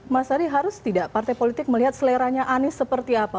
mas ari harus tidak partai politik melihat seleranya anies seperti apa